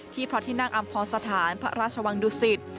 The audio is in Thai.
ที่พระทินังอำพอสถานพระราชวังดุสิต